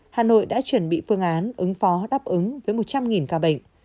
hà nội đã chuẩn bị phương án ứng phó đáp ứng với một trăm linh ca bệnh